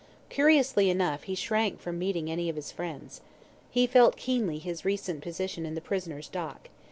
Curiously enough he shrank from meeting any of his friends. He felt keenly his recent position in the prisoner's dock.